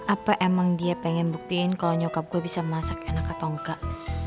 apa emang dia pengen buktiin kalau nyokap gue bisa masak enak atau enggak